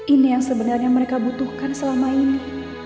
ini yang sebenarnya mereka butuhkan selama ini